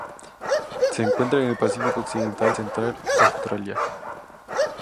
Se encuentra en el Pacífico occidental central: Australia.